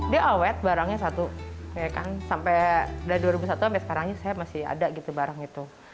dia awet barangnya satu sampai dari dua ribu satu sampai sekarang saya masih ada gitu barang itu